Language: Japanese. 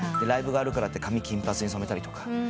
ライブがあるからって髪金髪に染めたりとか。